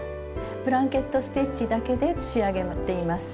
ブランケット・ステッチだけで仕上げています。